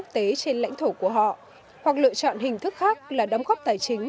tế trên lãnh thổ của họ hoặc lựa chọn hình thức khác là đóng góp tài chính